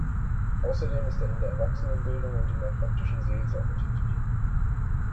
Außerdem ist er in der Erwachsenenbildung und in der praktischen Seelsorge tätig.